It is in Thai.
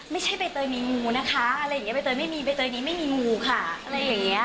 นะคะอะไรอย่างเงี้ยใบเตยไม่มีใบเตยนี้ไม่มีงูค่ะอะไรอย่างเงี้ย